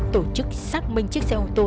tổ chức xác minh chiếc xe ô tô